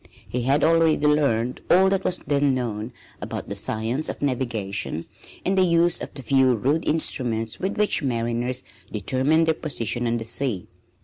He had already learned all that was then known about the science of navigation and the use of the few rude instruments with which mariners determined their position on the sea.